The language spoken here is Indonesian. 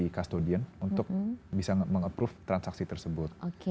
di kastudien untuk bisa meng approve transaksi tersebut